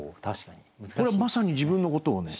これはまさに自分のことをね。